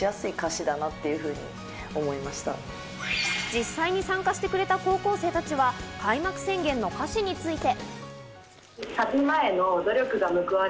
実際に参加してくれた高校生たちは『開幕宣言』の歌詞について。